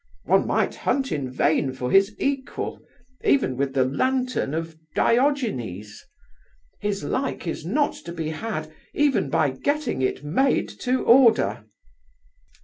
One might hunt in vain for his equal, even with the lantern of Diogenes; his like is not to be had even by getting it made to order!"